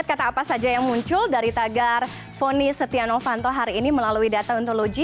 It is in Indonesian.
terima kasih iwan